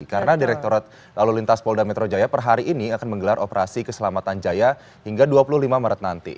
karena direkturat lalu lintas polda metro jaya per hari ini akan menggelar operasi keselamatan jaya hingga dua puluh lima maret nanti